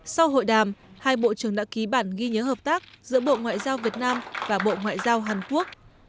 sau hội đàm hai bộ trưởng đã ký bản ghi nhớ hợp tác giữa bộ ngoại giao việt nam và bộ ngoại giao hàn quốc